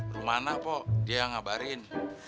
rumah mana pak dia yang ngabarin